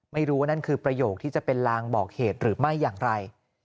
ไม่รู้ว่านั่นคือประโยคที่จะเป็นลางบอกเหตุหรือไม่อย่างไร